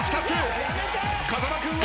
風間君は！？